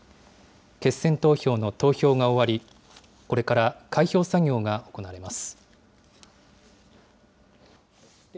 決選投票の投票が終わり、これから開票作業が行われます。